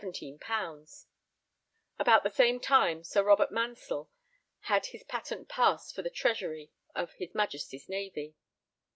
_ About the same time Sir Robert Mansell had his patent passed for the Treasurer of his Majesty's Navy.